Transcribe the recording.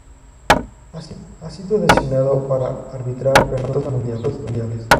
Ha sido designado para arbitrar en dos campeonatos mundiales.